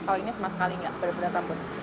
kalau ini sama sekali enggak benar benar lembut